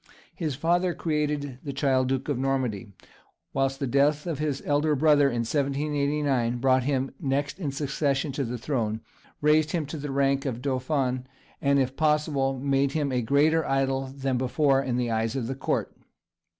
His father created the child Duke of Normandy, whilst the death of his elder brother in 1789 brought him next in succession to the throne, raised him to the rank of dauphin, and, if possible, made him a greater idol than before in the eyes of the Court.